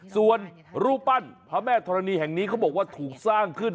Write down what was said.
ส่วนรูปปั้นพระแม่ธรณีแห่งนี้เขาบอกว่าถูกสร้างขึ้น